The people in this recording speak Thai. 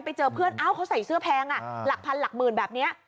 ไปเจอเพื่อนเอ้าเขาใส่เสื้อแพงหลักพันหลักหมื่นแบบนี้